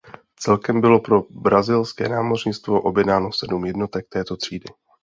Celkem bylo pro brazilské námořnictvo objednáno sedm jednotek této třídy.